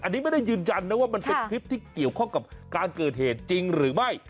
อันนี้ไม่ได้ยืนยันนะว่ามันเป็นคลิปที่เกี่ยวข้องกับการเกิดเหตุจริงหรือไม่